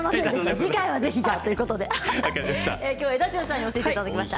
次回はじゃあということできょうはエダジュンさんに教えていただきました。